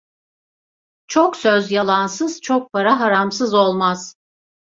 Çok söz yalansız, çok para haramsız olmaz.